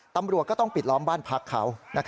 ตำรวจก็ต้องปิดล้อมบ้านพักเขา